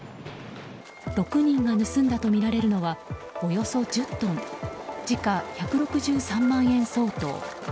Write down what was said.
６人が盗んだとみられるのはおよそ１０トン時価１６３万円相当。